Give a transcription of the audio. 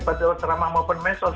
bagi teror seramah maupun mesos